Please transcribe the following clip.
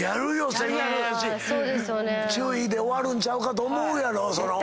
１，０００円やし注意で終わるんちゃうかと思うやろ。